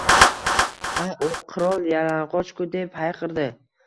Ha, u “Qirol yalang‘och ku” deb hayqirdi.